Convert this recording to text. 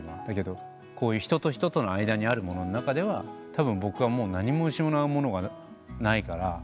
だけどこういう人と人との間にあるものの中ではたぶん僕は何も失うものがないから。